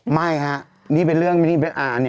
ไม่ครับนี่เป็นเรื่องอันนี้ดูแต่ละอันนี้